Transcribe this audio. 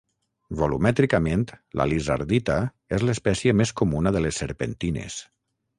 Volumètricament la lizardita és l'espècie més comuna de les serpentines.